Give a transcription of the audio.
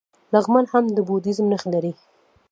لغمان هم د بودیزم نښې لري